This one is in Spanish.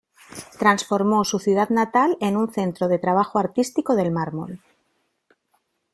Transformó su ciudad natal en un centro de trabajo artístico del mármol.